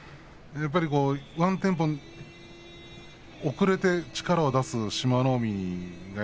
やっぱりワンテンポ遅れて力を出す志摩ノ海